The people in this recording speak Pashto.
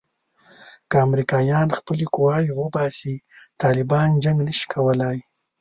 که امریکایان خپلې قواوې وباسي طالبان جنګ نه شي کولای.